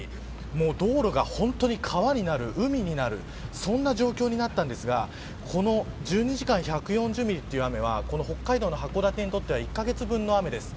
もう道路が本当に川になる海になるそんな状況になったんですがこの１２時間に１４０ミリという雨は北海道の函館にとっては１カ月分の雨です。